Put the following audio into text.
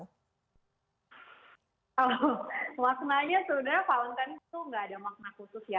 maknanya sebenarnya valentine's itu nggak ada makna khusus ya